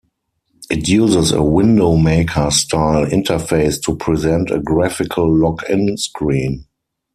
It uses a Window Maker-style interface to present a graphical login screen.